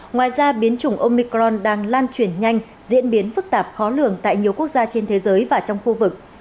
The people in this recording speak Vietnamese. ngoài ra biến chủng omicron đang lan chuyển nhanh diễn biến phức tạp khó lường tại nhiều quốc gia trên thế giới và trong khu vực